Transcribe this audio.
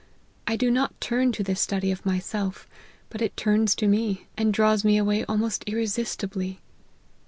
I do not turn to this study of myself, but it turns to me, and draws me away almost irre sistibly.